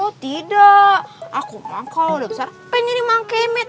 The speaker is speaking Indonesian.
oh tidak aku mah kau udah besar pengen nyanyi sama kemet